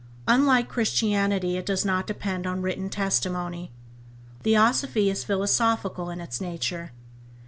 Unlike Christianity it does not depend on written testimony; Theosophy is philosophical in its nature.